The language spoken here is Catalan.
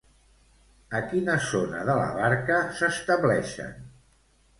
A quina zona de la barca s'estableixen?